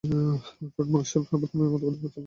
Alfred Marshall সর্বপ্রথম এই মতবাদের প্রচলন করেন।